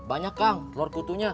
banyak kang telur kutunya